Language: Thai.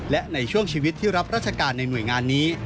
และในช่วงชีวิตที่รับราชการในหน่วยงานนี้